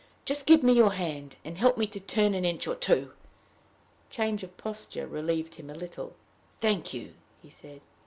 Just give me your hand, and help me to turn an inch or two." Change of posture relieved him a little. "Thank you," he said.